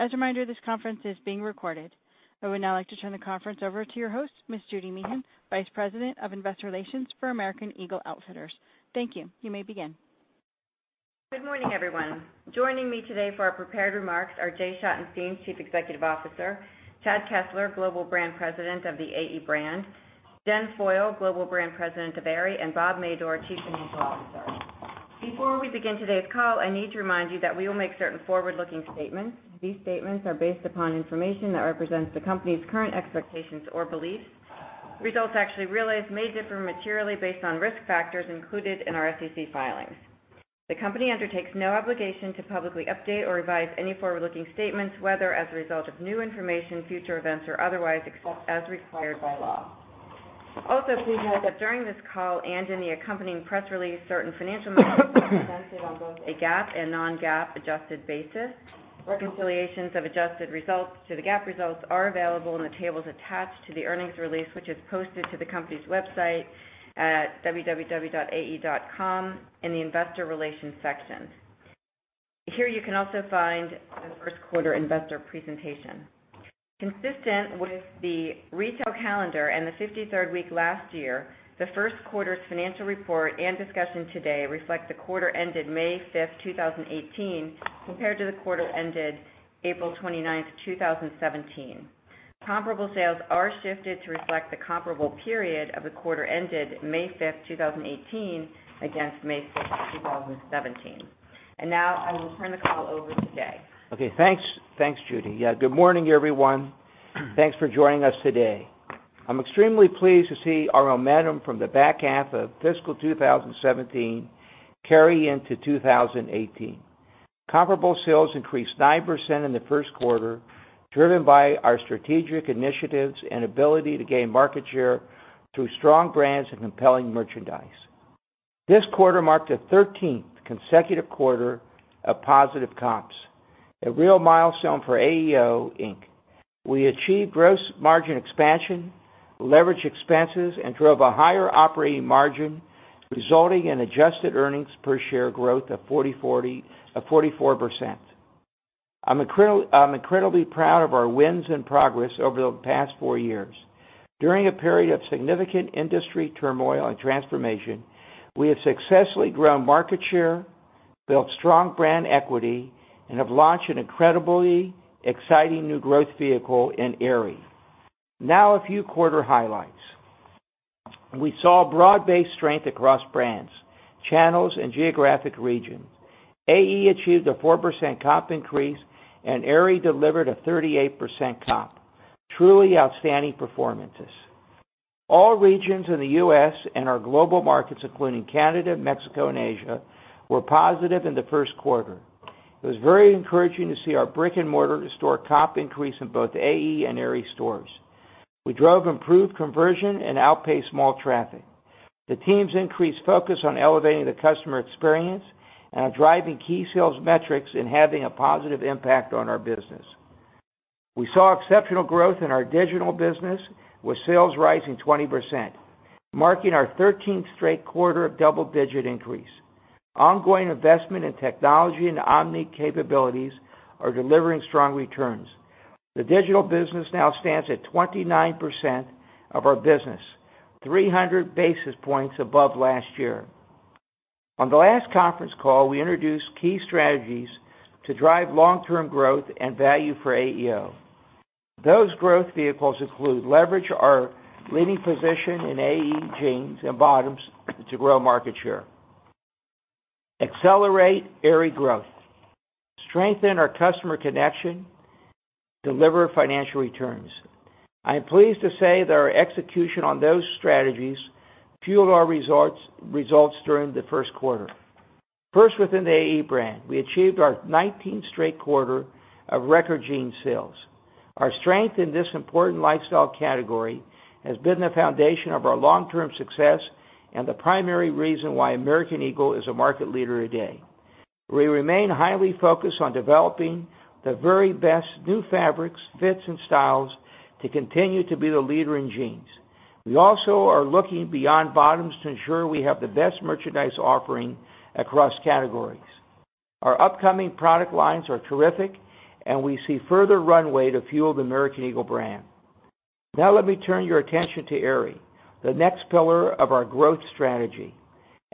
As a reminder, this conference is being recorded. I would now like to turn the conference over to your host, Ms. Judy Meehan, Vice President of Investor Relations for American Eagle Outfitters. Thank you. You may begin. Good morning, everyone. Joining me today for our prepared remarks are Jay Schottenstein, Chief Executive Officer, Chad Kessler, Global Brand President of the AE brand, Jen Foyle, Global Brand President of Aerie, and Bob Madore, Chief Financial Officer. Before we begin today's call, I need to remind you that we will make certain forward-looking statements. These statements are based upon information that represents the company's current expectations or beliefs. Results actually realized may differ materially based on risk factors included in our SEC filings. The company undertakes no obligation to publicly update or revise any forward-looking statements, whether as a result of new information, future events, or otherwise, except as required by law. Please note that during this call and in the accompanying press release, certain financial measures are presented on both a GAAP and non-GAAP adjusted basis. Reconciliations of adjusted results to the GAAP results are available in the tables attached to the earnings release, which is posted to the company's website at www.ae.com in the investor relations section. Here you can also find the first quarter investor presentation. Consistent with the retail calendar and the 53rd week last year, the first quarter's financial report and discussion today reflects the quarter ended May 5, 2018, compared to the quarter ended April 29, 2017. Comparable sales are shifted to reflect the comparable period of the quarter ended May 5, 2018, against May 5, 2017. Now I will turn the call over to Jay. Okay, thanks. Thanks, Judy. Good morning, everyone. Thanks for joining us today. I'm extremely pleased to see our momentum from the back half of fiscal 2017 carry into 2018. Comparable sales increased 9% in the first quarter, driven by our strategic initiatives and ability to gain market share through strong brands and compelling merchandise. This quarter marked the 13th consecutive quarter of positive comps, a real milestone for AEO Inc. We achieved gross margin expansion, leveraged expenses, and drove a higher operating margin, resulting in adjusted earnings per share growth of 44%. I'm incredibly proud of our wins and progress over the past 4 years. During a period of significant industry turmoil and transformation, we have successfully grown market share, built strong brand equity, and have launched an incredibly exciting new growth vehicle in Aerie. A few quarter highlights. We saw broad-based strength across brands, channels, and geographic regions. AE achieved a 4% comp increase, and Aerie delivered a 38% comp. Truly outstanding performances. All regions in the U.S. and our global markets, including Canada, Mexico, and Asia, were positive in the first quarter. It was very encouraging to see our brick-and-mortar store comp increase in both AE and Aerie stores. We drove improved conversion and outpaced mall traffic. The teams increased focus on elevating the customer experience and are driving key sales metrics and having a positive impact on our business. We saw exceptional growth in our digital business, with sales rising 20%, marking our 13th straight quarter of double-digit increase. Ongoing investment in technology and omni capabilities are delivering strong returns. The digital business now stands at 29% of our business, 300 basis points above last year. On the last conference call, we introduced key strategies to drive long-term growth and value for AEO. Those growth vehicles include leverage our leading position in AE jeans and bottoms to grow market share, accelerate Aerie growth, strengthen our customer connection, deliver financial returns. I am pleased to say that our execution on those strategies fueled our results during the first quarter. First, within the AE brand, we achieved our 19th straight quarter of record jean sales. Our strength in this important lifestyle category has been the foundation of our long-term success and the primary reason why American Eagle is a market leader today. We remain highly focused on developing the very best new fabrics, fits, and styles to continue to be the leader in jeans. We also are looking beyond bottoms to ensure we have the best merchandise offering across categories. Our upcoming product lines are terrific, and we see further runway to fuel the American Eagle brand. Now let me turn your attention to Aerie, the next pillar of our growth strategy.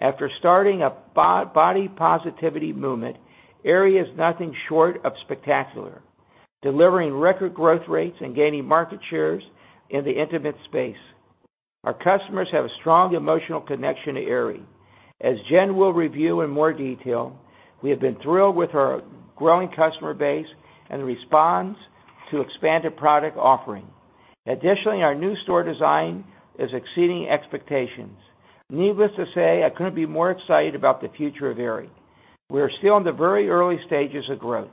After starting a body positivity movement, Aerie is nothing short of spectacular, delivering record growth rates and gaining market shares in the intimate space. Our customers have a strong emotional connection to Aerie. As Jen will review in more detail, we have been thrilled with our growing customer base and response to expanded product offering. Additionally, our new store design is exceeding expectations. Needless to say, I couldn't be more excited about the future of Aerie. We are still in the very early stages of growth.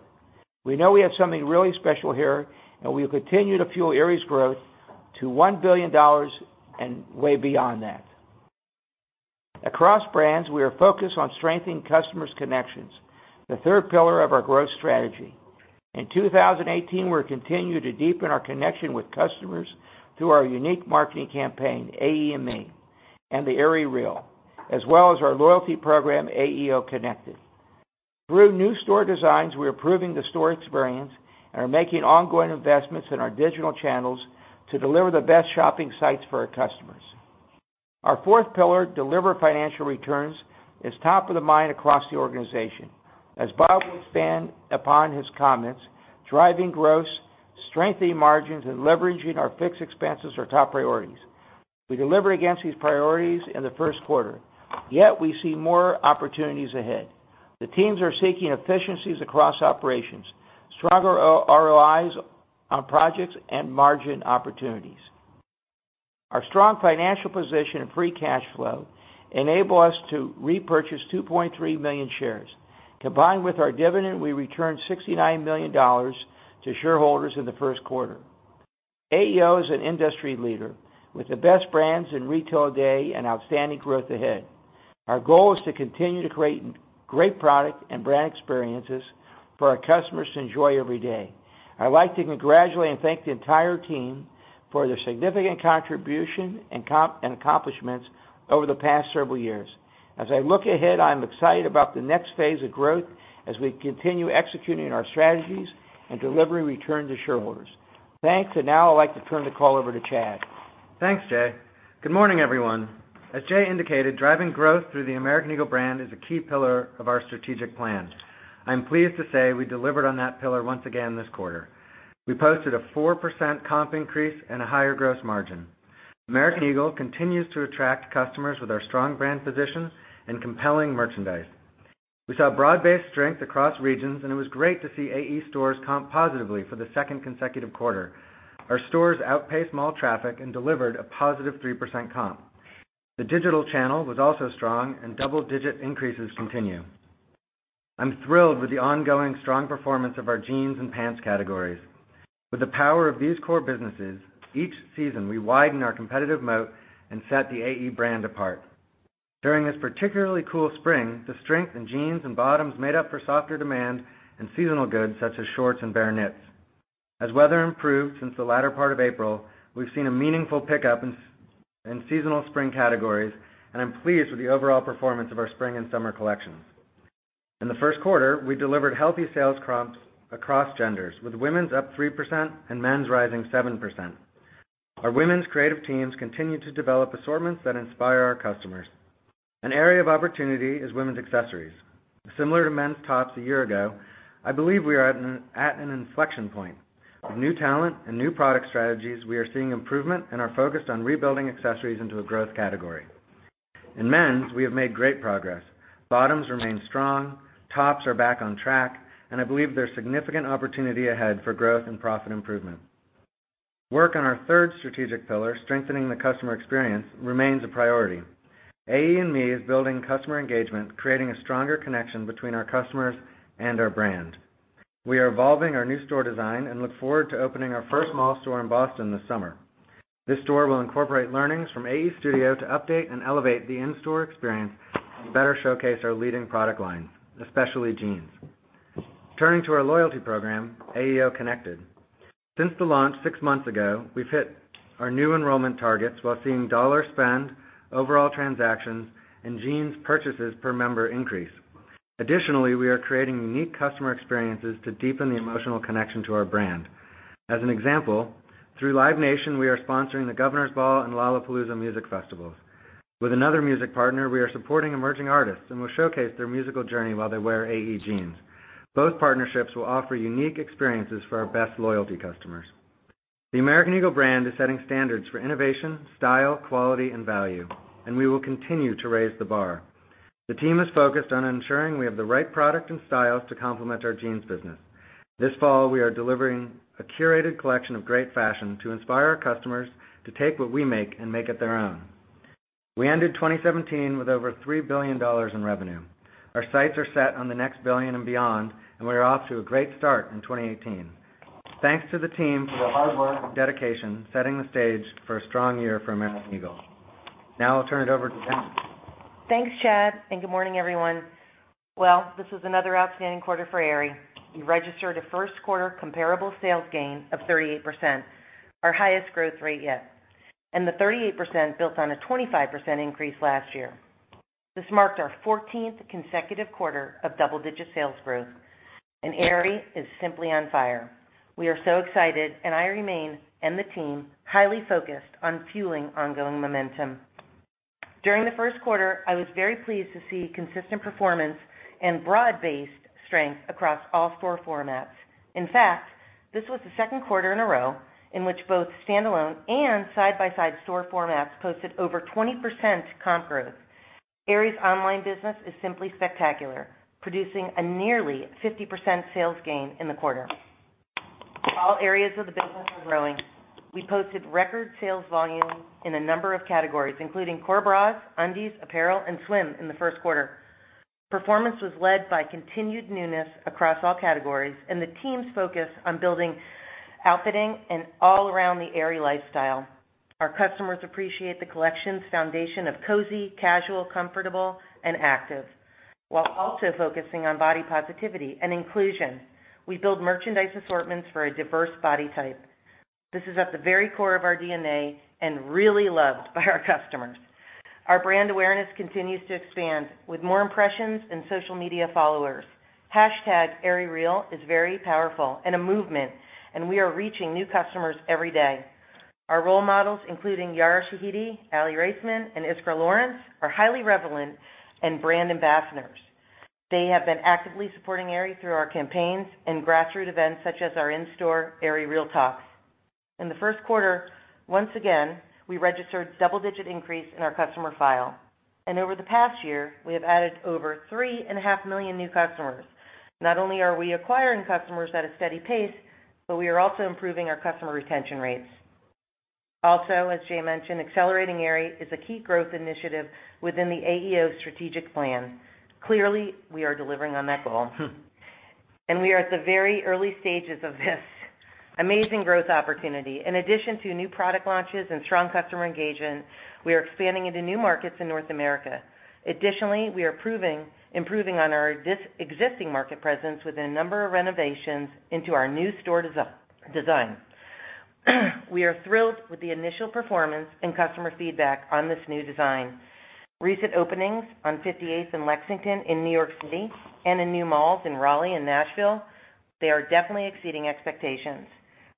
We know we have something really special here, and we will continue to fuel Aerie's growth to $1 billion and way beyond that. Across brands, we are focused on strengthening customers' connections, the third pillar of our growth strategy. In 2018, we'll continue to deepen our connection with customers through our unique marketing campaign, AExME, and the #AerieREAL, as well as our loyalty program, AEO Connected. Through new store designs, we're improving the store experience and are making ongoing investments in our digital channels to deliver the best shopping sites for our customers. Our fourth pillar, deliver financial returns, is top of mind across the organization. As Bob will expand upon his comments, driving growth, strengthening margins, and leveraging our fixed expenses are top priorities. We delivered against these priorities in the first quarter, yet we see more opportunities ahead. The teams are seeking efficiencies across operations, stronger ROIs on projects, and margin opportunities. Our strong financial position and free cash flow enable us to repurchase 2.3 million shares. Combined with our dividend, we returned $69 million to shareholders in the first quarter. AEO is an industry leader with the best brands in retail today and outstanding growth ahead. Our goal is to continue to create great product and brand experiences for our customers to enjoy every day. I'd like to congratulate and thank the entire team for their significant contribution and accomplishments over the past several years. As I look ahead, I'm excited about the next phase of growth as we continue executing our strategies and delivering returns to shareholders. Thanks, and now I'd like to turn the call over to Chad. Thanks, Jay. Good morning, everyone. As Jay indicated, driving growth through the American Eagle brand is a key pillar of our strategic plan. I'm pleased to say we delivered on that pillar once again this quarter. We posted a 4% comp increase and a higher gross margin. American Eagle continues to attract customers with our strong brand position and compelling merchandise. We saw broad-based strength across regions, and it was great to see AE stores comp positively for the second consecutive quarter. Our stores outpaced mall traffic and delivered a positive 3% comp. The digital channel was also strong, and double-digit increases continue. I'm thrilled with the ongoing strong performance of our jeans and pants categories. With the power of these core businesses, each season, we widen our competitive moat and set the AE brand apart. During this particularly cool spring, the strength in jeans and bottoms made up for softer demand in seasonal goods, such as shorts and bare knits. As weather improved since the latter part of April, we've seen a meaningful pickup in seasonal spring categories, and I'm pleased with the overall performance of our spring and summer collections. In the first quarter, we delivered healthy sales comps across genders, with women's up 3% and men's rising 7%. Our women's creative teams continue to develop assortments that inspire our customers. An area of opportunity is women's accessories. Similar to men's tops a year ago, I believe we are at an inflection point. With new talent and new product strategies, we are seeing improvement and are focused on rebuilding accessories into a growth category. In men's, we have made great progress. Bottoms remain strong, tops are back on track, and I believe there's significant opportunity ahead for growth and profit improvement. Work on our third strategic pillar, strengthening the customer experience, remains a priority. AExMe is building customer engagement, creating a stronger connection between our customers and our brand. We are evolving our new store design and look forward to opening our first mall store in Boston this summer. This store will incorporate learnings from AE Studio to update and elevate the in-store experience and better showcase our leading product lines, especially jeans. Turning to our loyalty program, AEO Connected. Since the launch six months ago, we've hit our new enrollment targets while seeing dollar spend, overall transactions, and jeans purchases per member increase. Additionally, we are creating unique customer experiences to deepen the emotional connection to our brand. As an example, through Live Nation, we are sponsoring the Governors Ball and Lollapalooza music festivals. With another music partner, we are supporting emerging artists and will showcase their musical journey while they wear AE jeans. Both partnerships will offer unique experiences for our best loyalty customers. The American Eagle brand is setting standards for innovation, style, quality, and value, and we will continue to raise the bar. The team is focused on ensuring we have the right product and styles to complement our jeans business. This fall, we are delivering a curated collection of great fashion to inspire our customers to take what we make and make it their own. We ended 2017 with over $3 billion in revenue. Our sights are set on the next billion and beyond, and we are off to a great start in 2018. Thanks to the team for their hard work and dedication, setting the stage for a strong year for American Eagle. Now I'll turn it over to Jen. Thanks, Chad, and good morning, everyone. Well, this was another outstanding quarter for Aerie. We registered a first-quarter comparable sales gain of 38%, our highest growth rate yet, and the 38% builds on a 25% increase last year. This marked our 14th consecutive quarter of double-digit sales growth, and Aerie is simply on fire. We are so excited, and I remain, and the team, highly focused on fueling ongoing momentum. During the first quarter, I was very pleased to see consistent performance and broad-based strength across all store formats. In fact, this was the second quarter in a row in which both standalone and side-by-side store formats posted over 20% comp growth. Aerie's online business is simply spectacular, producing a nearly 50% sales gain in the quarter. All areas of the business are growing. We posted record sales volume in a number of categories, including core bras, undies, apparel, and swim in the first quarter. Performance was led by continued newness across all categories and the team's focus on building outfitting an all-around the Aerie lifestyle. Our customers appreciate the collection's foundation of cozy, casual, comfortable, and active while also focusing on body positivity and inclusion. We build merchandise assortments for a diverse body type. This is at the very core of our DNA and really loved by our customers. Our brand awareness continues to expand with more impressions and social media followers. #AerieREAL is very powerful and a movement, and we are reaching new customers every day. Our role models, including Yara Shahidi, Aly Raisman, and Iskra Lawrence, are highly relevant and brand ambassadors. They have been actively supporting Aerie through our campaigns and grassroots events, such as our in-store Aerie REAL Talks. In the first quarter, once again, we registered double-digit increase in our customer file, and over the past year, we have added over three and a half million new customers. Not only are we acquiring customers at a steady pace, but we are also improving our customer retention rates. Also, as Jay mentioned, accelerating Aerie is a key growth initiative within the AEO strategic plan. Clearly, we are delivering on that goal. We are at the very early stages of this amazing growth opportunity. In addition to new product launches and strong customer engagement, we are expanding into new markets in North America. Additionally, we are improving on our existing market presence with a number of renovations into our new store design. We are thrilled with the initial performance and customer feedback on this new design. Recent openings on 58th and Lexington in New York City and in new malls in Raleigh and Nashville, they are definitely exceeding expectations.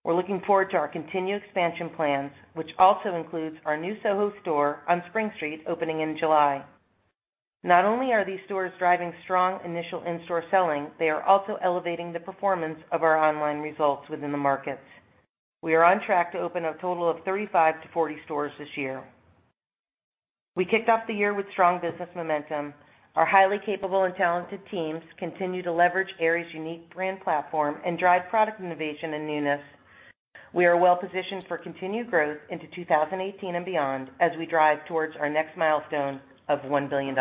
We're looking forward to our continued expansion plans, which also includes our new Soho store on Spring Street opening in July. Not only are these stores driving strong initial in-store selling, they are also elevating the performance of our online results within the markets. We are on track to open a total of 35-40 stores this year. We kicked off the year with strong business momentum. Our highly capable and talented teams continue to leverage Aerie's unique brand platform and drive product innovation and newness. We are well positioned for continued growth into 2018 and beyond as we drive towards our next milestone of $1 billion.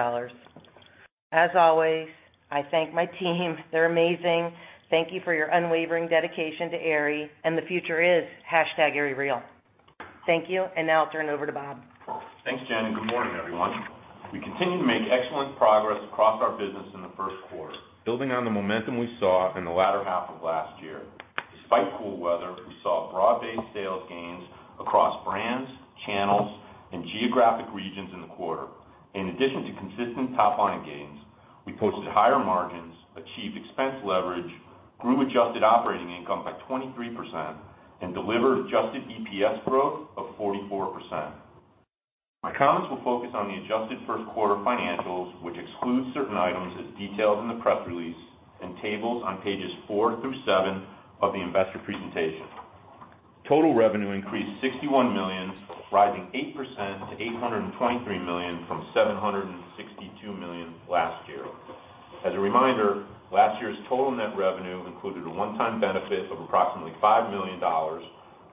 As always, I thank my team. They're amazing. Thank you for your unwavering dedication to Aerie and the future is #AerieREAL. Thank you. Now I'll turn it over to Bob. Thanks, Jen, and good morning, everyone. We continue to make excellent progress across our business in the first quarter, building on the momentum we saw in the latter half of last year. Despite cool weather, we saw broad-based sales gains across brands, channels, and geographic regions in the quarter. In addition to consistent top-line gains, we posted higher margins, achieved expense leverage, grew adjusted operating income by 23%, and delivered adjusted EPS growth of 44%. My comments will focus on the adjusted first quarter financials, which excludes certain items as detailed in the press release and tables on pages four through seven of the investor presentation. Total revenue increased $61 million, rising 8% to $823 million from $762 million last year. As a reminder, last year's total net revenue included a one-time benefit of approximately $5 million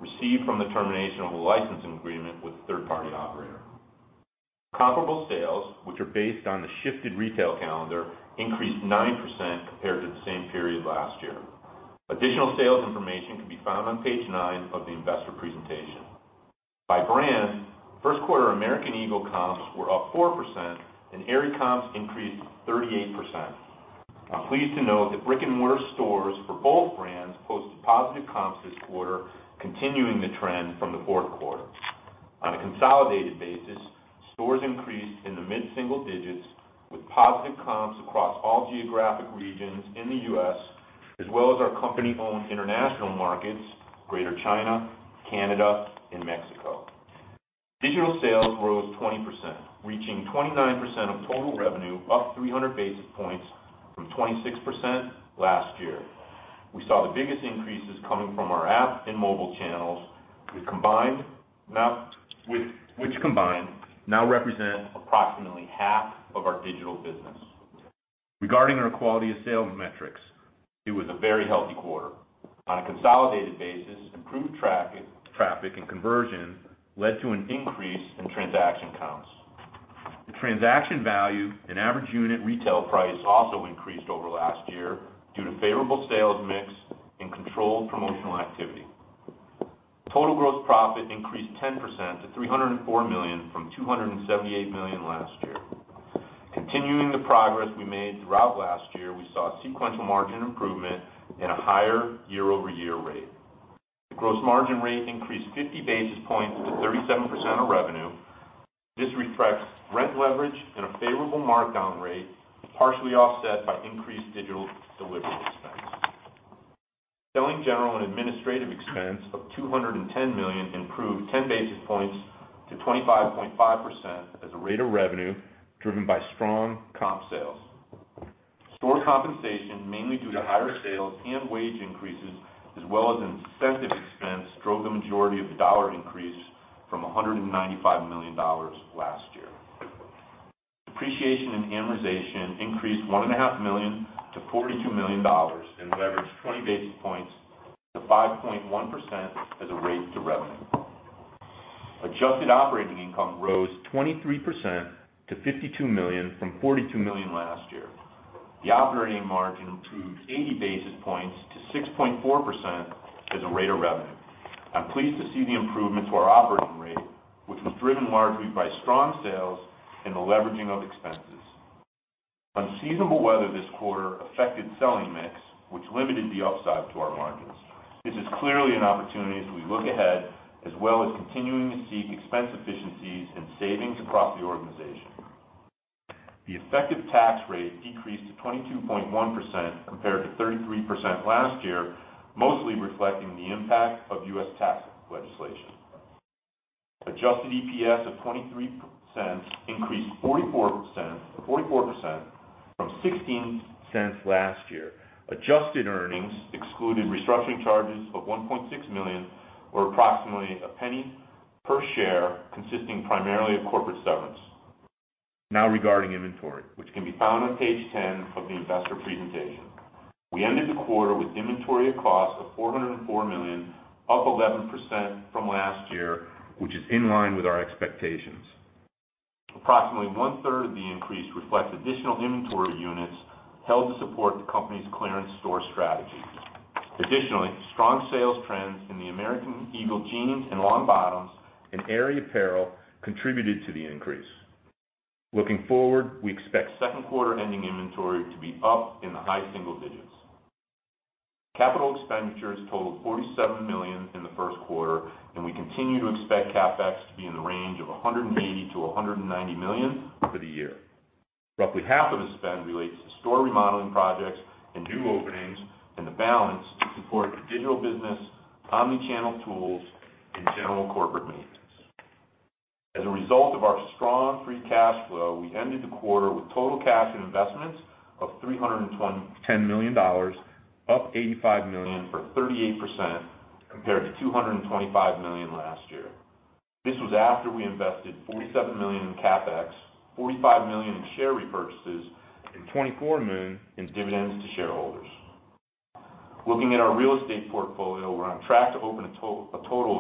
received from the termination of a licensing agreement with a third-party operator. Comparable sales, which are based on the shifted retail calendar, increased 9% compared to the same period last year. Additional sales information can be found on page 9 of the investor presentation. By brand, first quarter American Eagle comps were up 4% and Aerie comps increased 38%. I'm pleased to note that brick-and-mortar stores for both brands posted positive comps this quarter, continuing the trend from the fourth quarter. On a consolidated basis, stores increased in the mid-single digits with positive comps across all geographic regions in the U.S. as well as our company-owned international markets, Greater China, Canada, and Mexico. Digital sales rose 20%, reaching 29% of total revenue, up 300 basis points from 26% last year. We saw the biggest increases coming from our app and mobile channels which combined now represent approximately half of our digital business. Regarding our quality of sale metrics, it was a very healthy quarter. On a consolidated basis, improved traffic and conversion led to an increase in transaction counts. The transaction value and average unit retail price also increased over last year due to favorable sales mix and controlled promotional activity. Total gross profit increased 10% to $304 million from $278 million last year. Continuing the progress we made throughout last year, we saw sequential margin improvement at a higher year-over-year rate. The gross margin rate increased 50 basis points to 37% of revenue. This reflects rent leverage and a favorable markdown rate, partially offset by increased digital delivery expense. Selling, general, and administrative expense of $210 million improved 10 basis points to 25.5% as a rate of revenue driven by strong comp sales. Store compensation, mainly due to higher sales and wage increases as well as incentive expense, drove the majority of the dollar increase from $195 million last year. Depreciation and amortization increased $1.5 million to $42 million and leveraged 20 basis points to 5.1% as a rate to revenue. Adjusted operating income rose 23% to $52 million from $42 million last year. The operating margin improved 80 basis points to 6.4% as a rate of revenue. I'm pleased to see the improvement to our operating rate, which was driven largely by strong sales and the leveraging of expenses. Unseasonable weather this quarter affected selling mix, which limited the upside to our margins. This is clearly an opportunity as we look ahead, as well as continuing to seek expense efficiencies and savings across the organization. The effective tax rate decreased to 22.1% compared to 33% last year, mostly reflecting the impact of U.S. tax legislation. Adjusted EPS of $0.23 increased 44%, from $0.16 last year. Adjusted earnings excluded restructuring charges of $1.6 million, or approximately $0.01 per share, consisting primarily of corporate severance. Regarding inventory, which can be found on page 10 of the investor presentation. We ended the quarter with inventory of cost of $404 million, up 11% from last year, which is in line with our expectations. Approximately one-third of the increase reflects additional inventory units held to support the company's clearance store strategy. Additionally, strong sales trends in the American Eagle jeans and long bottoms and Aerie apparel contributed to the increase. Looking forward, we expect second quarter ending inventory to be up in the high single digits. Capital expenditures totaled $47 million in the first quarter. We continue to expect CapEx to be in the range of $180 million to $190 million for the year. Roughly half of the spend relates to store remodeling projects and new openings. The balance to support the digital business, omni-channel tools, and general corporate maintenance. As a result of our strong free cash flow, we ended the quarter with total cash and investments of $310 million, up $85 million for 38%, compared to $225 million last year. This was after we invested $47 million in CapEx, $45 million in share repurchases, and $24 million in dividends to shareholders. Looking at our real estate portfolio, we're on track to open a total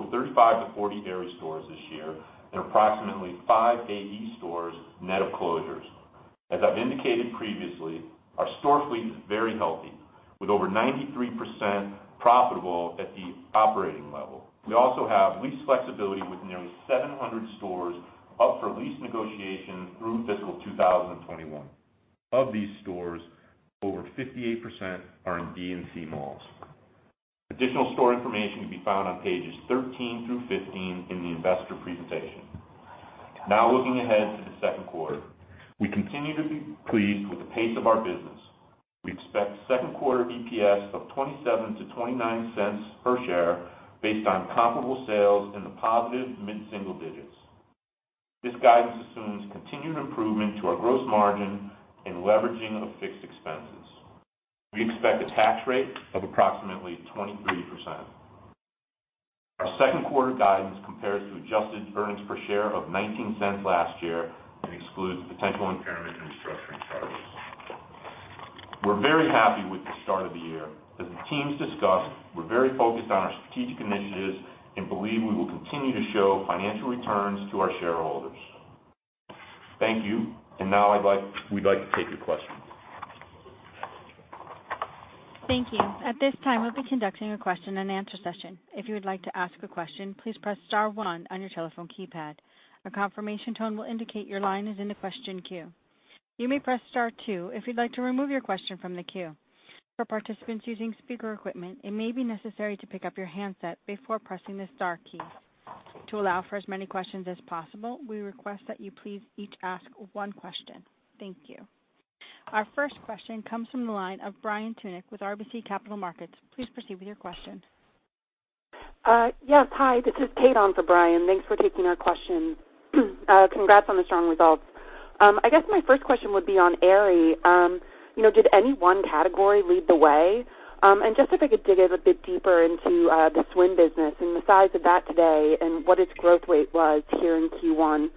of 35 to 40 Aerie stores this year and approximately five AE stores, net of closures. As I've indicated previously, our store fleet is very healthy, with over 93% profitable at the operating level. We also have lease flexibility with nearly 700 stores up for lease negotiation through fiscal 2021. Of these stores, over 58% are in C and D malls. Additional store information can be found on pages 13 through 15 in the investor presentation. Looking ahead to the second quarter. We continue to be pleased with the pace of our business. We expect second quarter EPS of $0.27 to $0.29 per share based on comparable sales in the positive mid-single digits. This guidance assumes continued improvement to our gross margin and leveraging of fixed expenses. We expect a tax rate of approximately 23%. Our second quarter guidance compares to adjusted earnings per share of $0.19 last year and excludes potential impairment and restructuring charges. We're very happy with the start of the year. As the teams discussed, we're very focused on our strategic initiatives and believe we will continue to show financial returns to our shareholders. Thank you. Now we'd like to take your questions. Thank you. At this time, we'll be conducting a question and answer session. If you would like to ask a question, please press star one on your telephone keypad. A confirmation tone will indicate your line is in the question queue. You may press star two if you'd like to remove your question from the queue. For participants using speaker equipment, it may be necessary to pick up your handset before pressing the star key. To allow for as many questions as possible, we request that you please each ask one question. Thank you. Our first question comes from the line of Brian Tunick with RBC Capital Markets. Please proceed with your question. Yes. Hi, this is Kate on for Brian. Thanks for taking our question. Congrats on the strong results. I guess my first question would be on Aerie. Did any one category lead the way? Just if I could dig in a bit deeper into the swim business and the size of that today and what its growth rate was here in Q1.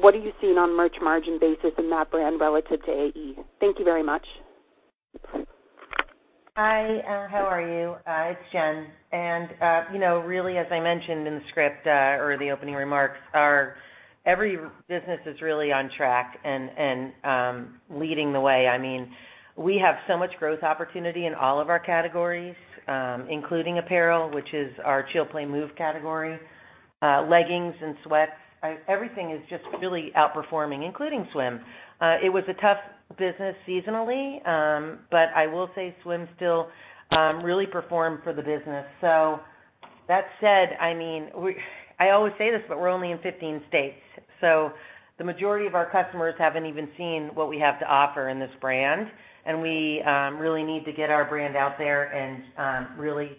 What are you seeing on merch margin basis in that brand relative to AE? Thank you very much. Hi. How are you? It's Jen. Really as I mentioned in the script or the opening remarks, every business is really on track and leading the way. We have so much growth opportunity in all of our categories including apparel, which is our chill, play, move category. Leggings and sweats, everything is just really outperforming, including swim. It was a tough business seasonally. I will say swim still really performed for the business. We're only in 15 states, the majority of our customers haven't even seen what we have to offer in this brand, and we really need to get our brand out there and really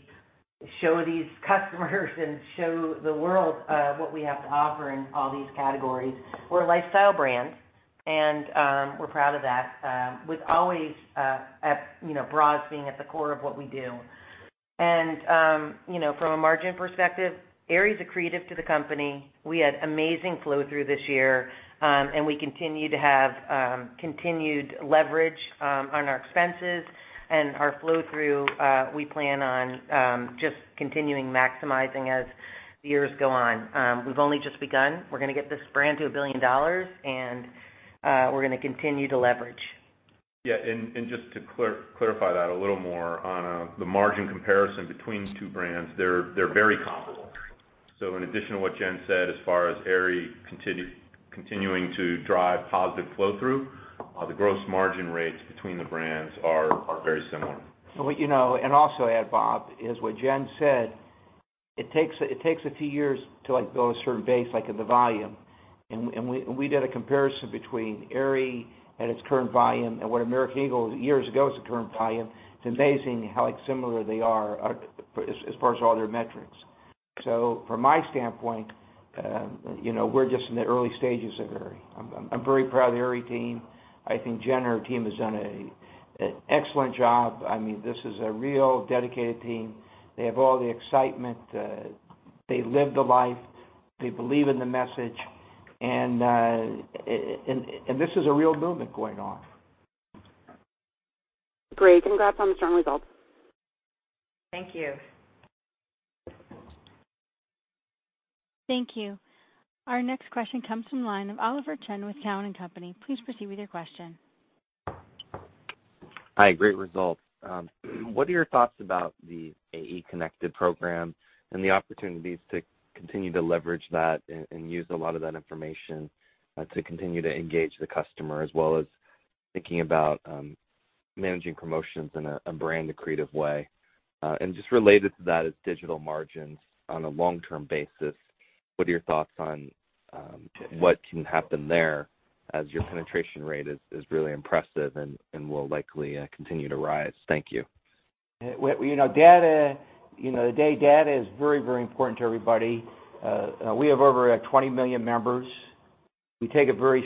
show these customers and show the world what we have to offer in all these categories. We're a lifestyle brand. We're proud of that. With always bras being at the core of what we do. From a margin perspective, Aerie's accretive to the company. We had amazing flow-through this year. We continue to have continued leverage on our expenses and our flow-through, we plan on just continuing maximizing as the years go on. We've only just begun. We're going to get this brand to $1 billion, we're going to continue to leverage. Just to clarify that a little more on the margin comparison between the two brands, they're very comparable In addition to what Jen said, as far as Aerie continuing to drive positive flow through, the gross margin rates between the brands are very similar. Also to add, Bob, is what Jen said, it takes a few years to build a certain base, like in the volume. We did a comparison between Aerie at its current volume and what American Eagle years ago as the current volume. It's amazing how similar they are as far as all their metrics. From my standpoint, we're just in the early stages of Aerie. I'm very proud of the Aerie team. I think Jen and her team has done an excellent job. This is a real dedicated team. They have all the excitement. They live the life. They believe in the message, and this is a real movement going on. Great. Congrats on the strong results. Thank you. Thank you. Our next question comes from the line of Oliver Chen with Cowen and Company. Please proceed with your question. Hi, great results. What are your thoughts about the AEO Connected program and the opportunities to continue to leverage that and use a lot of that information to continue to engage the customer, as well as thinking about managing promotions in a brand accretive way? Just related to that is digital margins on a long-term basis. What are your thoughts on what can happen there as your penetration rate is really impressive and will likely continue to rise? Thank you. Today, data is very important to everybody. We have over 20 million members. We take it very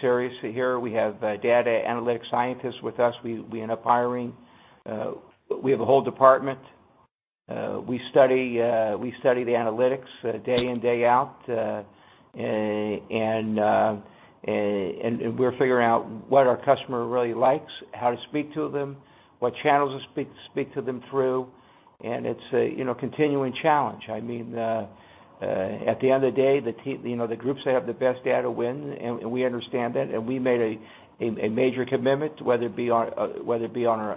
seriously here. We have data analytic scientists with us we end up hiring. We have a whole department. We study the analytics day in, day out. We're figuring out what our customer really likes, how to speak to them, what channels to speak to them through. It's a continuing challenge. At the end of the day, the groups that have the best data win, and we understand that. We made a major commitment, whether it be on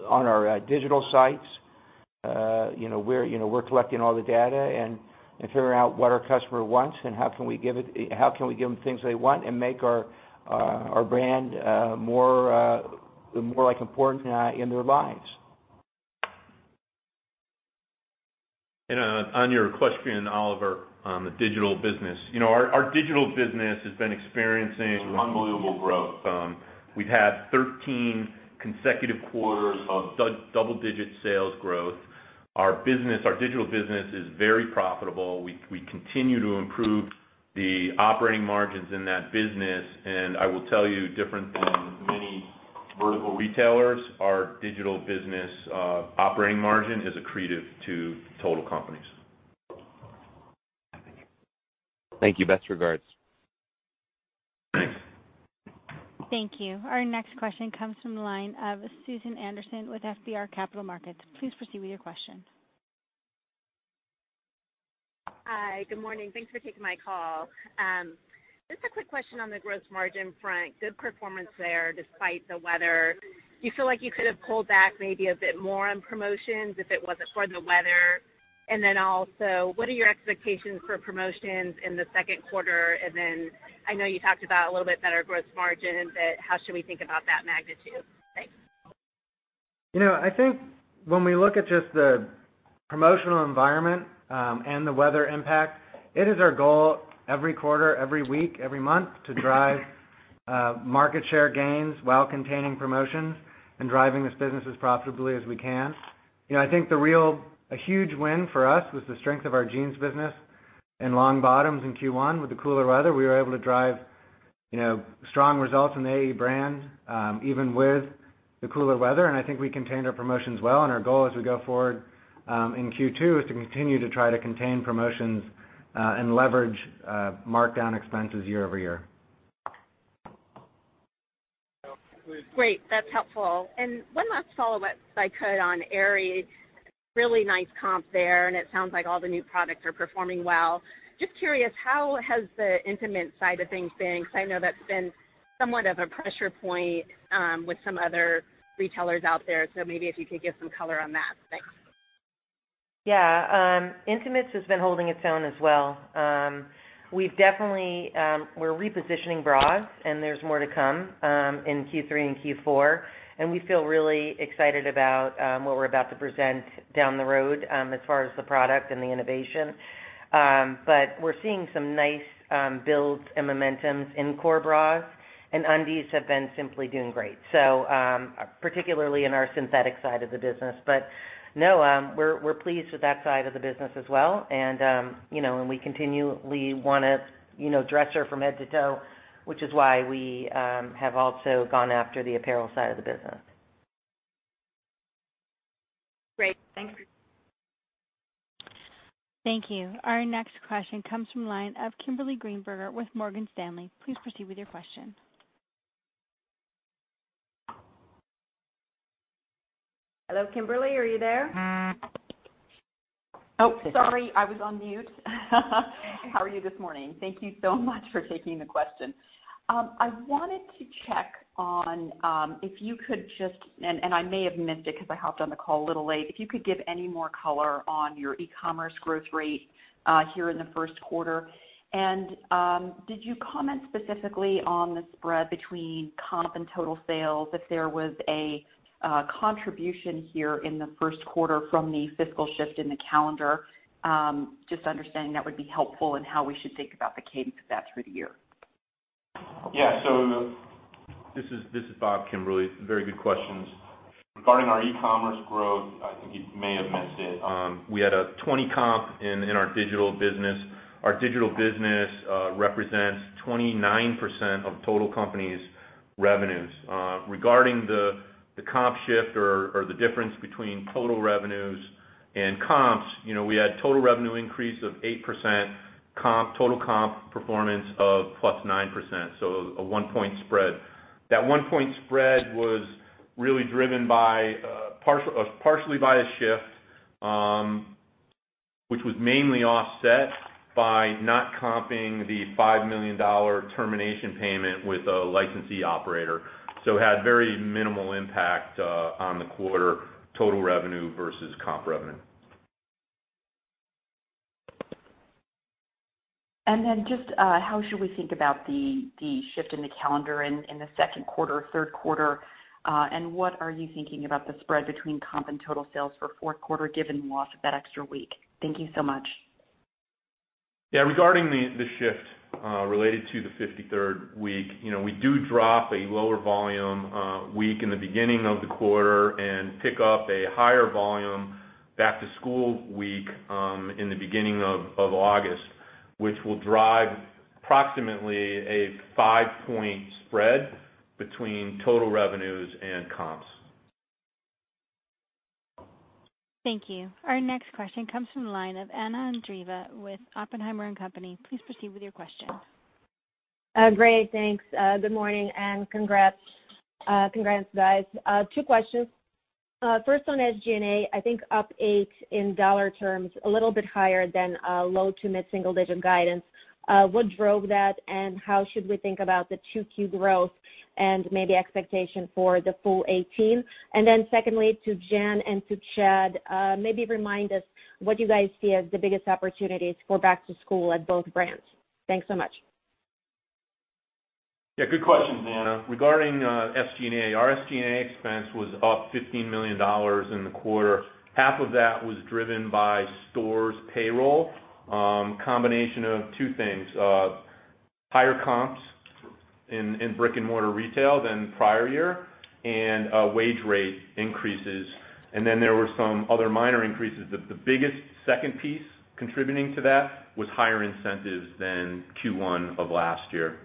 our digital sites. We're collecting all the data and figuring out what our customer wants and how can we give them things they want and make our brand more important in their lives. On your question, Oliver, on the digital business. Our digital business has been experiencing unbelievable growth. We've had 13 consecutive quarters of double-digit sales growth. Our digital business is very profitable. We continue to improve the operating margins in that business. I will tell you, different than many vertical retailers, our digital business operating margin is accretive to total companies. Thank you. Best regards. Thanks. Thank you. Our next question comes from the line of Susan Anderson with B. Riley FBR. Please proceed with your question. Hi, good morning. Thanks for taking my call. Just a quick question on the gross margin front. Good performance there despite the weather. Do you feel like you could have pulled back maybe a bit more on promotions if it wasn't for the weather? Also, what are your expectations for promotions in the second quarter? I know you talked about a little bit better gross margin, but how should we think about that magnitude? Thanks. I think when we look at just the promotional environment and the weather impact, it is our goal every quarter, every week, every month, to drive market share gains while containing promotions and driving this business as profitably as we can. I think the real huge win for us was the strength of our jeans business and long bottoms in Q1 with the cooler weather. We were able to drive strong results in the AE brand even with the cooler weather. I think we contained our promotions well, our goal as we go forward in Q2 is to continue to try to contain promotions and leverage markdown expenses year-over-year. Great. That's helpful. One last follow-up if I could on Aerie. Really nice comp there, and it sounds like all the new products are performing well. Just curious, how has the intimates side of things been? Because I know that's been somewhat of a pressure point with some other retailers out there. Maybe if you could give some color on that. Thanks. Yeah. Intimates has been holding its own as well. We're repositioning bras, there's more to come in Q3 and Q4, we feel really excited about what we're about to present down the road as far as the product and the innovation. We're seeing some nice builds and momentums in core bras, undies have been simply doing great. Particularly in our synthetic side of the business. No, we're pleased with that side of the business as well. We continually want to dress her from head to toe, which is why we have also gone after the apparel side of the business. Great. Thanks. Thank you. Our next question comes from the line of Kimberly Greenberger with Morgan Stanley. Please proceed with your question. Hello, Kimberly, are you there? Oh. Sorry, I was on mute. How are you this morning? Thank you so much for taking the question. I wanted to check on if you could just, and I may have missed it because I hopped on the call a little late, give any more color on your e-commerce growth rate here in the first quarter. Did you comment specifically on the spread between comp and total sales, if there was a contribution here in the first quarter from the fiscal shift in the calendar? Just understanding that would be helpful in how we should think about the cadence of that through the year. Yeah. This is Bob, Kimberly. Very good questions. Regarding our e-commerce growth, I think you may have missed it. We had a 20 comp in our digital business. Our digital business represents 29% of total company's revenues. Regarding the comp shift or the difference between total revenues and comps, we had total revenue increase of 8%, total comp performance of +9%, so a 1 point spread. That 1 point spread was really driven partially by a shift, which was mainly offset by not comping the $5 million termination payment with a licensee operator. It had very minimal impact on the quarter total revenue versus comp revenue. Just how should we think about the shift in the calendar in the second quarter, third quarter? What are you thinking about the spread between comp and total sales for fourth quarter, given the loss of that extra week? Thank you so much. Yeah. Regarding the shift related to the 53rd week, we do drop a lower volume week in the beginning of the quarter and pick up a higher volume back to school week in the beginning of August, which will drive approximately a five point spread between total revenues and comps. Thank you. Our next question comes from the line of Anna Andreeva with Oppenheimer and Company. Please proceed with your question. Great, thanks. Good morning and congrats. Congrats, guys. Two questions. First on SG&A, I think up eight in dollar terms, a little bit higher than low to mid-single digit guidance. What drove that and how should we think about the 2Q growth and maybe expectation for the full 2018? Secondly, to Jen and to Chad, maybe remind us what you guys see as the biggest opportunities for back to school at both brands. Thanks so much. Yeah, good questions, Anna. Regarding SG&A, our SG&A expense was up $15 million in the quarter. Half of that was driven by stores payroll. Combination of two things. Higher comps in brick and mortar retail than prior year and wage rate increases. There were some other minor increases. The biggest second piece contributing to that was higher incentives than Q1 of last year.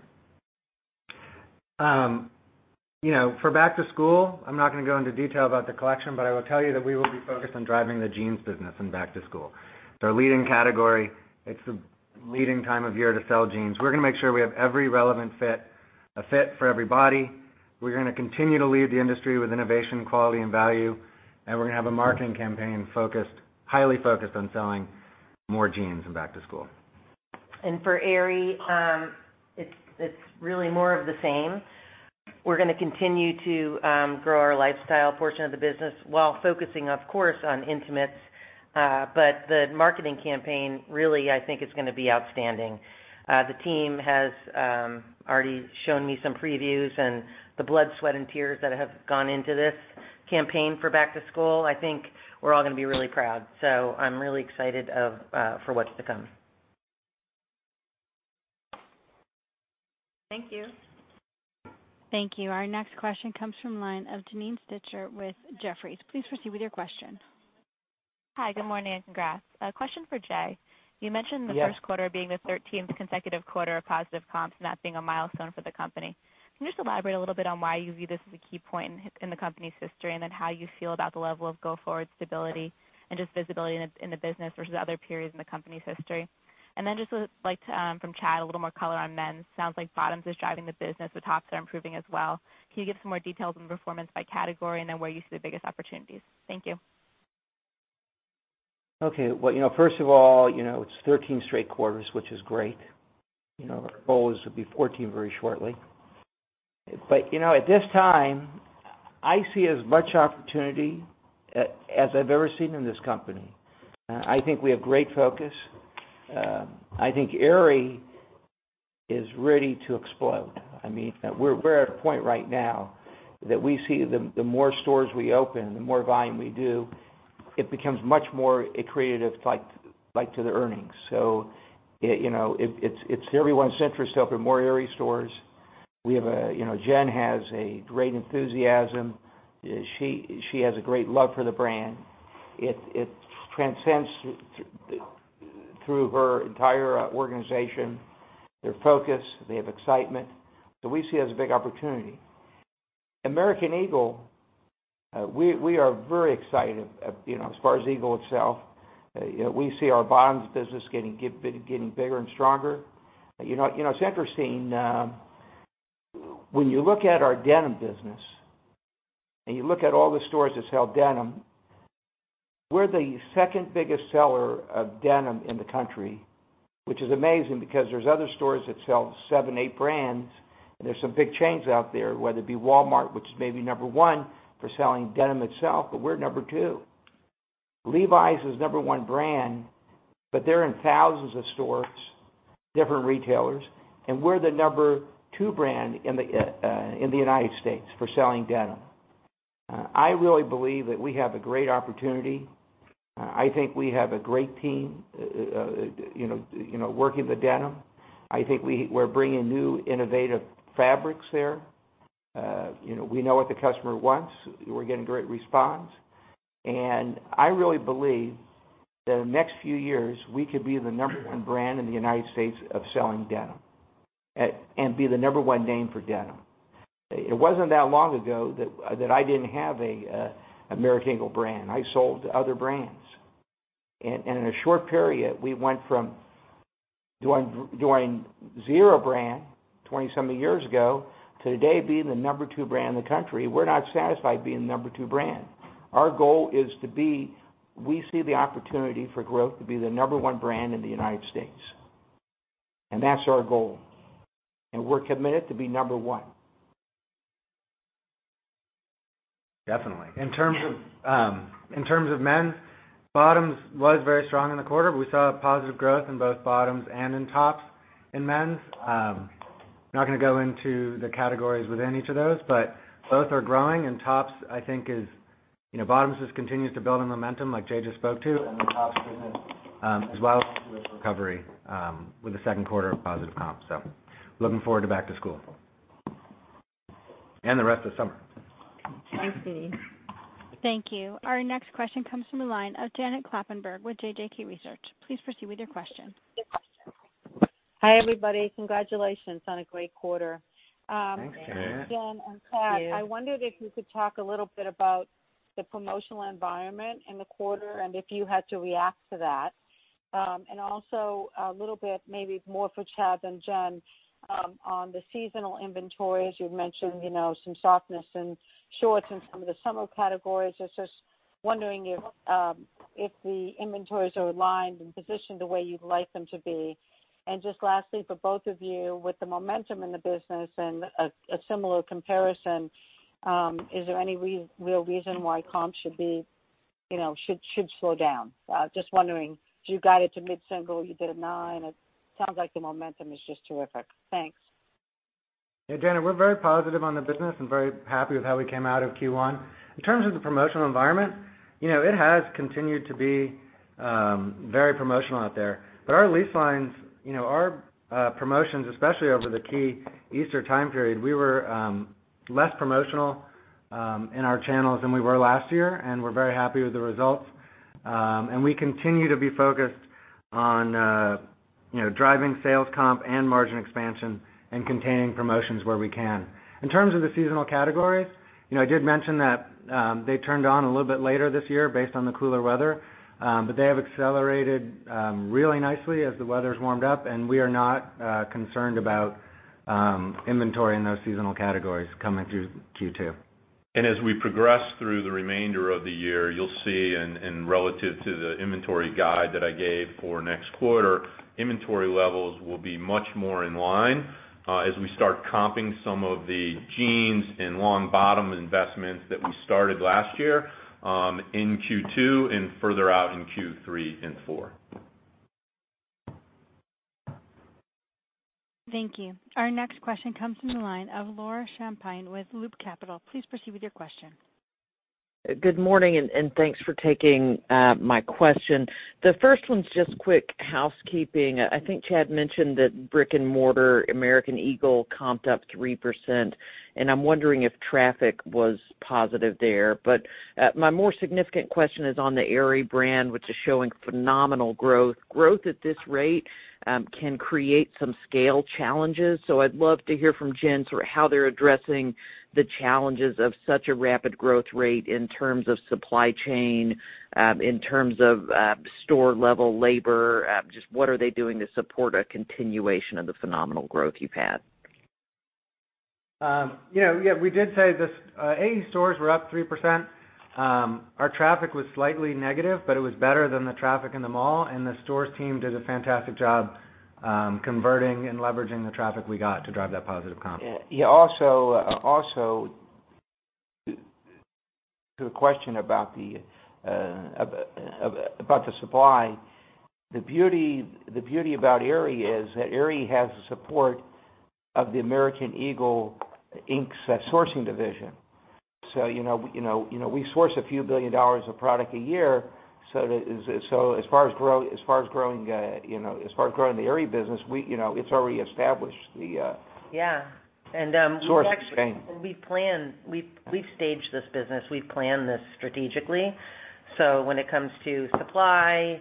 For back to school, I'm not going to go into detail about the collection, I will tell you that we will be focused on driving the jeans business in back to school. It's our leading category. It's the leading time of year to sell jeans. We're going to make sure we have every relevant fit, a fit for every body. We're going to continue to lead the industry with innovation, quality, and value. We're going to have a marketing campaign highly focused on selling more jeans in back to school. For Aerie, it's really more of the same. We're going to continue to grow our lifestyle portion of the business while focusing, of course, on intimates. The marketing campaign really, I think, is going to be outstanding. The team has already shown me some previews and the blood, sweat, and tears that have gone into this campaign for back to school. I think we're all going to be really proud. I'm really excited for what's to come. Thank you. Thank you. Our next question comes from line of Janine Stichter with Jefferies. Please proceed with your question. Hi, good morning and congrats. A question for Jay. Yes. You mentioned the first quarter being the 13th consecutive quarter of positive comps and that being a milestone for the company. Can you just elaborate a little bit on why you view this as a key point in the company's history, and how you feel about the level of go-forward stability and just visibility in the business versus other periods in the company's history? Just would like, from Chad, a little more color on men's. Sounds like bottoms is driving the business. The tops are improving as well. Can you give some more details on performance by category and then where you see the biggest opportunities? Thank you. Okay. Well, first of all, it's 13 straight quarters, which is great. Our goal is to be 14 very shortly. At this time, I see as much opportunity as I've ever seen in this company. I think we have great focus. I think Aerie is ready to explode. We're at a point right now that we see the more stores we open, the more volume we do, it becomes much more accretive to the earnings. It's everyone's interest to open more Aerie stores. Jen has a great enthusiasm. She has a great love for the brand. It transcends through her entire organization, their focus, they have excitement. We see it as a big opportunity. American Eagle, we are very excited as far as Eagle itself. We see our bottoms business getting bigger and stronger. It's interesting. When you look at our denim business and you look at all the stores that sell denim We're the second biggest seller of denim in the country, which is amazing because there's other stores that sell seven, eight brands, and there's some big chains out there, whether it be Walmart, which is maybe number one for selling denim itself. We're number two. Levi's is number one brand, they're in thousands of stores, different retailers, and we're the number two brand in the U.S. for selling denim. I really believe that we have a great opportunity. I think we have a great team working with denim. I think we're bringing new innovative fabrics there. We know what the customer wants. We're getting great response. I really believe that in the next few years, we could be the number one brand in the U.S. of selling denim. Be the number one name for denim. It wasn't that long ago that I didn't have an American Eagle brand. I sold other brands. In a short period, we went from doing zero brand 27 years ago to today being the number two brand in the country. We're not satisfied being the number two brand. Our goal is to be, we see the opportunity for growth to be the number one brand in the U.S. That's our goal. We're committed to be number one. Definitely. In terms of men's, bottoms was very strong in the quarter. We saw a positive growth in both bottoms and in tops in men's. Not gonna go into the categories within each of those, but both are growing and tops, I think is Bottoms just continues to build on momentum like Jay just spoke to and the tops business as well with recovery with the second quarter of positive comps. Looking forward to back to school. The rest of summer. I see. Thank you. Our next question comes from the line of Janet Kloppenburg with JJK Research. Please proceed with your question. Hi, everybody. Congratulations on a great quarter. Thanks, Janet. Thank you. Jen and Chad, I wondered if you could talk a little bit about the promotional environment in the quarter and if you had to react to that. Also, a little bit maybe more for Chad than Jen on the seasonal inventory, as you've mentioned, some softness in shorts and some of the summer categories. I was just wondering if the inventories are aligned and positioned the way you'd like them to be. Lastly, for both of you, with the momentum in the business and a similar comparison, is there any real reason why comps should slow down? Just wondering, you got it to mid-single, you did a 9%. It sounds like the momentum is just terrific. Thanks. Hey, Janet, we're very positive on the business and very happy with how we came out of Q1. In terms of the promotional environment, it has continued to be very promotional out there. Our lease lines, our promotions, especially over the key Easter time period, we were less promotional in our channels than we were last year, and we're very happy with the results. We continue to be focused on driving sales comp and margin expansion and containing promotions where we can. In terms of the seasonal categories, I did mention that they turned on a little bit later this year based on the cooler weather. They have accelerated really nicely as the weather's warmed up, and we are not concerned about inventory in those seasonal categories coming through Q2. As we progress through the remainder of the year, you'll see, relative to the inventory guide that I gave for next quarter, inventory levels will be much more in line as we start comping some of the jeans and long bottom investments that we started last year in Q2 and further out in Q3 and Q4. Thank you. Our next question comes from the line of Laura Champine with Loop Capital. Please proceed with your question. Good morning, thanks for taking my question. The first one's just quick housekeeping. I think Chad mentioned that brick and mortar American Eagle comped up 3%, and I'm wondering if traffic was positive there. My more significant question is on the Aerie brand, which is showing phenomenal growth. Growth at this rate can create some scale challenges. I'd love to hear from Jen sort of how they're addressing the challenges of such a rapid growth rate in terms of supply chain, in terms of store level labor, just what are they doing to support a continuation of the phenomenal growth you've had? We did say this. AE stores were up 3%. Our traffic was slightly negative, but it was better than the traffic in the mall, and the stores team did a fantastic job converting and leveraging the traffic we got to drive that positive comp. Also to a question about the supply. The beauty about Aerie is that Aerie has the support of the AEO Inc.'s sourcing division. We source a few billion dollars of product a year, so as far as growing the Aerie business, it's already established the- Yeah. -source chain. We've staged this business. We've planned this strategically. When it comes to supply,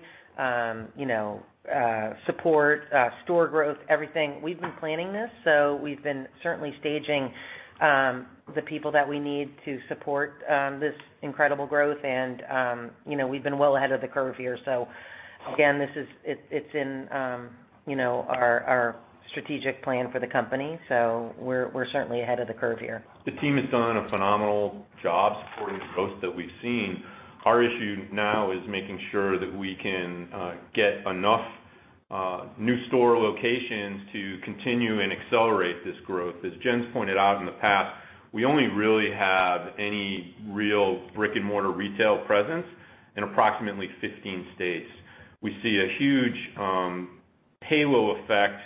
support, store growth, everything, we've been planning this. We've been certainly staging the people that we need to support this incredible growth and we've been well ahead of the curve here. Again, it's in our strategic plan for the company. We're certainly ahead of the curve here. The team has done a phenomenal job supporting the growth that we've seen. Our issue now is making sure that we can get enough new store locations to continue and accelerate this growth. As Jen's pointed out in the past, we only really have any real brick-and-mortar retail presence in approximately 15 states. We see a huge halo effect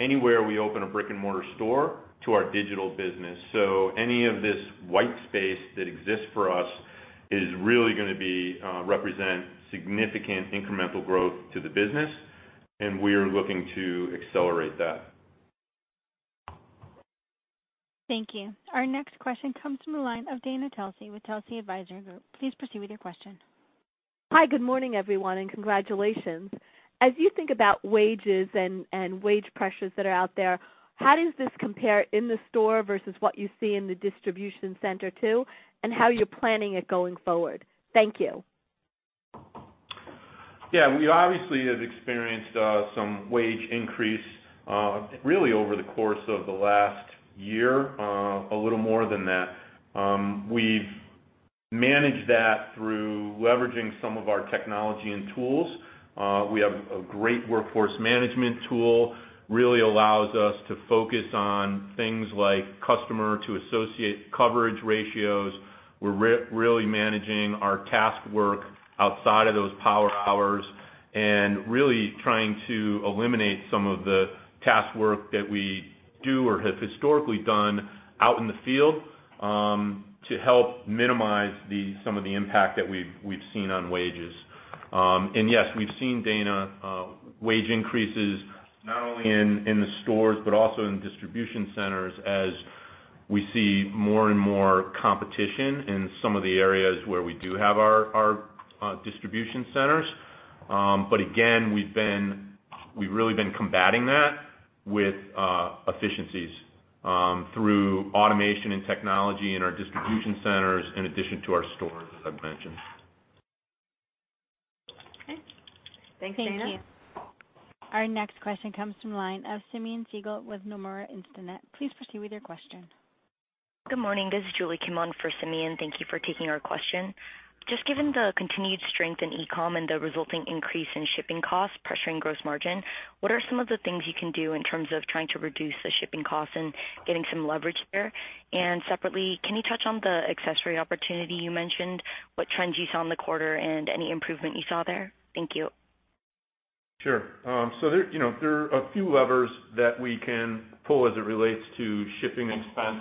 anywhere we open a brick-and-mortar store to our digital business. Any of this white space that exists for us is really going to represent significant incremental growth to the business, and we are looking to accelerate that. Thank you. Our next question comes from the line of Dana Telsey with Telsey Advisory Group. Please proceed with your question. Hi. Good morning, everyone, and congratulations. As you think about wages and wage pressures that are out there, how does this compare in the store versus what you see in the distribution center too, and how you're planning it going forward? Thank you. We obviously have experienced some wage increase, really over the course of the last year, a little more than that. We've managed that through leveraging some of our technology and tools. We have a great workforce management tool. Allows us to focus on things like customer-to-associate coverage ratios. We're really managing our task work outside of those power hours and really trying to eliminate some of the task work that we do or have historically done out in the field, to help minimize some of the impact that we've seen on wages. Yes, we've seen, Dana, wage increases not only in the stores but also in distribution centers as we see more and more competition in some of the areas where we do have our distribution centers. Again, we've really been combating that with efficiencies through automation and technology in our distribution centers in addition to our stores, as I've mentioned. Thanks you. Thank you. Our next question comes from the line of Simeon Siegel with Nomura Instinet. Please proceed with your question. Good morning. This is Julia Kim on for Simeon. Thank you for taking our question. Just given the continued strength in e-com and the resulting increase in shipping costs, pressuring gross margin, what are some of the things you can do in terms of trying to reduce the shipping costs and getting some leverage there? Separately, can you touch on the accessory opportunity you mentioned, what trends you saw in the quarter and any improvement you saw there? Thank you. Sure. There are a few levers that we can pull as it relates to shipping expense.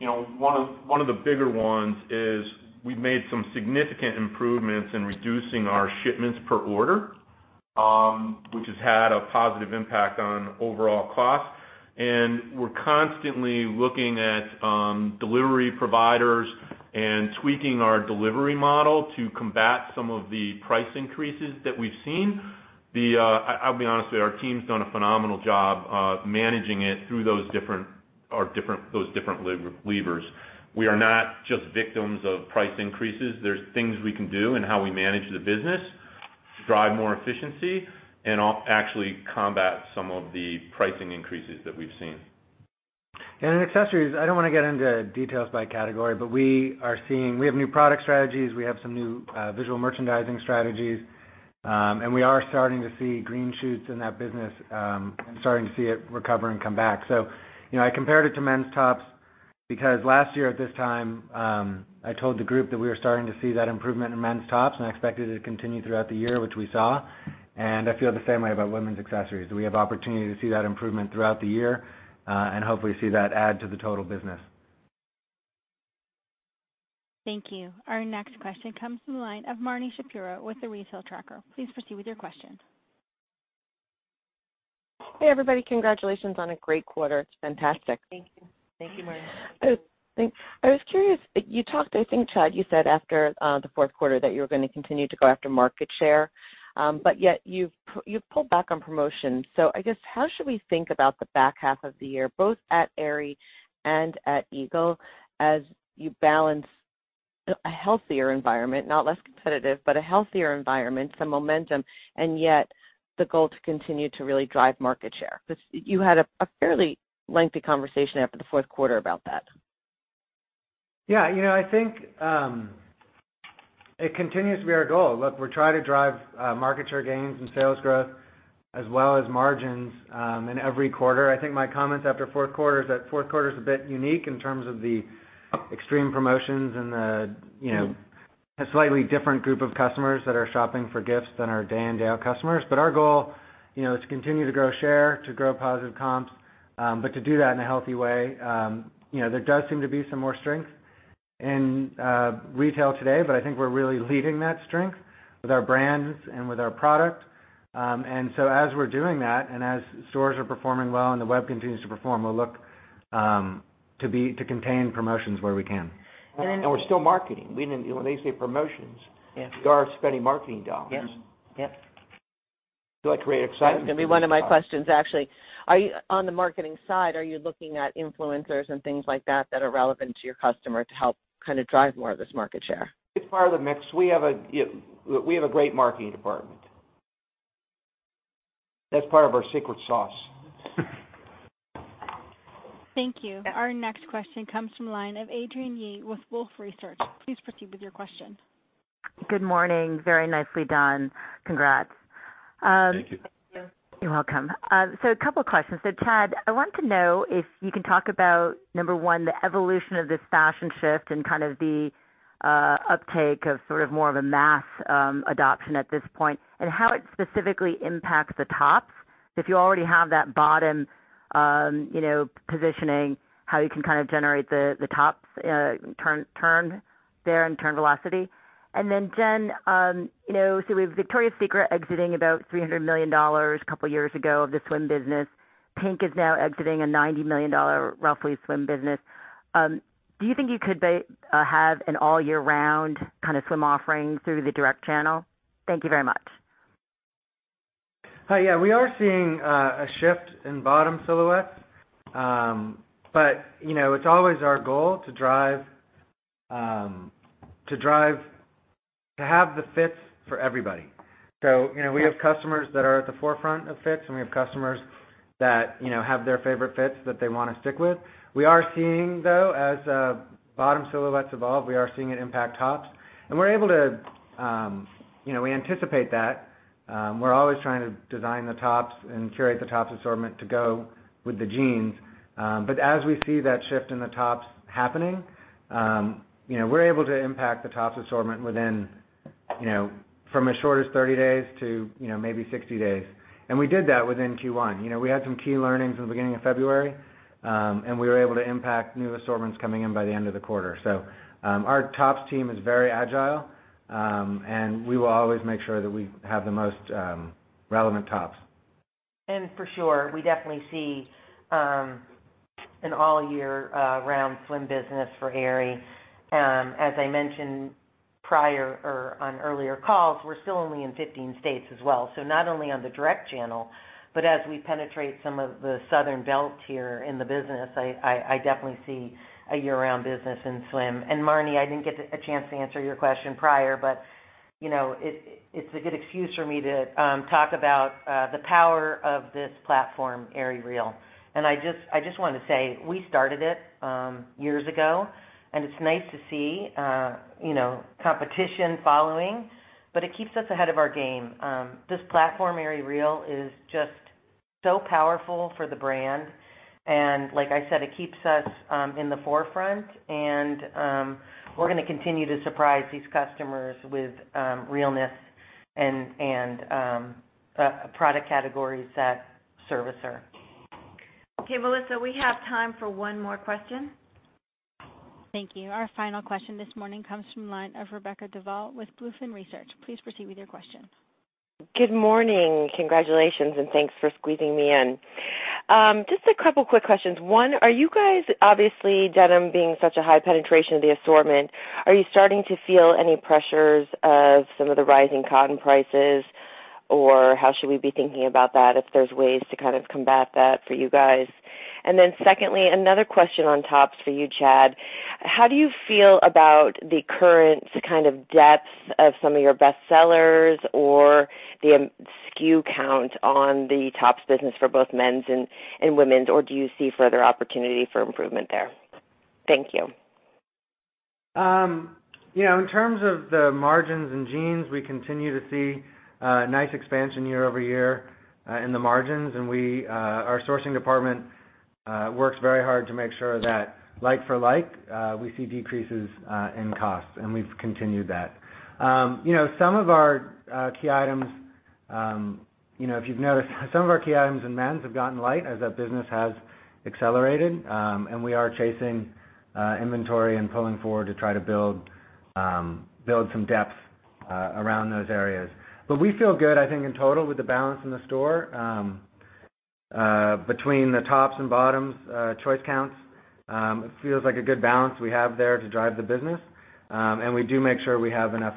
One of the bigger ones is we've made some significant improvements in reducing our shipments per order, which has had a positive impact on overall cost. We're constantly looking at delivery providers and tweaking our delivery model to combat some of the price increases that we've seen. I'll be honest with you, our team's done a phenomenal job of managing it through those different levers. We are not just victims of price increases. There's things we can do in how we manage the business, drive more efficiency, and actually combat some of the pricing increases that we've seen. In accessories, I don't want to get into details by category, but we have new product strategies. We have some new visual merchandising strategies. We are starting to see green shoots in that business, and starting to see it recover and come back. I compared it to men's tops because last year at this time, I told the group that we were starting to see that improvement in men's tops, and I expected it to continue throughout the year, which we saw. I feel the same way about women's accessories. We have opportunity to see that improvement throughout the year, and hopefully see that add to the total business. Thank you. Our next question comes from the line of Marni Shapiro with The Retail Tracker. Please proceed with your question. Hey, everybody. Congratulations on a great quarter. It's fantastic. Thank you. Thank you, Marni. I was curious. You talked, I think, Chad, you said after the fourth quarter that you were going to continue to go after market share. Yet you've pulled back on promotions. I guess, how should we think about the back half of the year, both at Aerie and at Eagle, as you balance a healthier environment, not less competitive, but a healthier environment, some momentum, and yet the goal to continue to really drive market share? Because you had a fairly lengthy conversation after the fourth quarter about that. Yeah. I think it continues to be our goal. Look, we try to drive market share gains and sales growth as well as margins in every quarter. I think my comments after fourth quarter is that fourth quarter is a bit unique in terms of the extreme promotions and the slightly different group of customers that are shopping for gifts than our day-in-day-out customers. Our goal is to continue to grow share, to grow positive comps, to do that in a healthy way. There does seem to be some more strength in retail today, I think we're really leading that strength with our brands and with our product. As we're doing that and as stores are performing well and the web continues to perform, we'll look to contain promotions where we can. We're still marketing. When they say promotions. Yes We are spending marketing dollars. Yes. To create excitement. That was going to be one of my questions, actually. On the marketing side, are you looking at influencers and things like that that are relevant to your customer to help drive more of this market share? It's part of the mix. We have a great marketing department. That's part of our secret sauce. Thank you. Our next question comes from the line of Adrienne Yih with Wolfe Research. Please proceed with your question. Good morning. Very nicely done. Congrats. Thank you. Thank you. You're welcome. A couple questions. Chad, I wanted to know if you can talk about, number 1, the evolution of this fashion shift and the uptake of sort of more of a mass adoption at this point, and how it specifically impacts the tops. If you already have that bottom positioning, how you can generate the tops turn there and turn velocity. Jen, we have Victoria's Secret exiting about $300 million 2 years ago of the swim business. PINK is now exiting a $90 million roughly swim business. Do you think you could have an all year-round swim offering through the direct channel? Thank you very much. Yeah. We are seeing a shift in bottom silhouettes. It's always our goal to have the fits for everybody. We have customers that are at the forefront of fits, and we have customers that have their favorite fits that they want to stick with. We are seeing, though, as bottom silhouettes evolve, we are seeing it impact tops. We anticipate that. We're always trying to design the tops and curate the tops assortment to go with the jeans. As we see that shift in the tops happening, we're able to impact the tops assortment from as short as 30 days to maybe 60 days. We did that within Q1. We had some key learnings in the beginning of February, and we were able to impact new assortments coming in by the end of the quarter. Our tops team is very agile, and we will always make sure that we have the most relevant tops. For sure, we definitely see an all year-round swim business for Aerie. As I mentioned on earlier calls, we're still only in 15 states as well. Not only on the direct channel, but as we penetrate some of the southern belts here in the business, I definitely see a year-round business in swim. Marni, I didn't get a chance to answer your question prior, but it's a good excuse for me to talk about the power of this platform, #AerieREAL. I just want to say, we started it years ago, and it's nice to see competition following, but it keeps us ahead of our game. This platform, #AerieREAL, is just so powerful for the brand. Like I said, it keeps us in the forefront, and we're going to continue to surprise these customers with realness and product categories that service her. Okay, Melissa, we have time for one more question. Thank you. Our final question this morning comes from the line of Rebecca Duval with BlueFin Research. Please proceed with your question. Good morning. Congratulations, and thanks for squeezing me in. Just a couple quick questions. One, are you guys obviously, denim being such a high penetration of the assortment, are you starting to feel any pressures of some of the rising cotton prices, or how should we be thinking about that, if there's ways to combat that for you guys? Secondly, another question on tops for you, Chad. How do you feel about the current depth of some of your best sellers or the SKU count on the tops business for both men's and women's, or do you see further opportunity for improvement there? Thank you. In terms of the margins in jeans, we continue to see a nice expansion year-over-year in the margins. Our sourcing department works very hard to make sure that like for like, we see decreases in costs, and we've continued that. If you've noticed, some of our key items in men's have gotten light as that business has accelerated. We are chasing inventory and pulling forward to try to build some depth around those areas. We feel good, I think, in total with the balance in the store. Between the tops and bottoms choice counts, it feels like a good balance we have there to drive the business. We work to make sure we have enough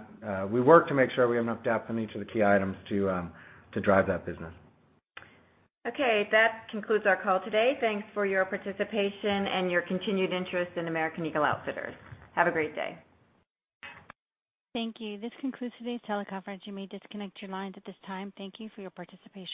depth in each of the key items to drive that business. Okay. That concludes our call today. Thanks for your participation and your continued interest in American Eagle Outfitters. Have a great day. Thank you. This concludes today's teleconference. You may disconnect your lines at this time. Thank you for your participation.